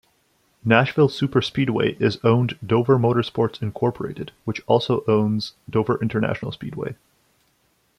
Nashville Superspeedway is owned Dover Motorsports Incorporated, which also owns Dover International Speedway.